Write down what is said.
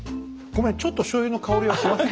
ごめんちょっとしょうゆの香りはします。